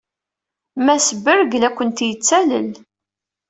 Mass Berg la kent-yettalel.